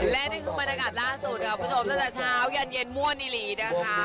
และนี่คือบรรยากาศล่าสุดค่ะคุณผู้ชมตั้งแต่เช้ายันเย็นมั่วนิลีนะคะ